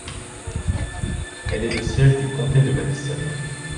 Elle est le siège du comté de Madison.